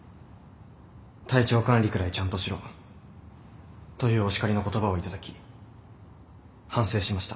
「体調管理くらいちゃんとしろ」というお叱りの言葉を頂き反省しました。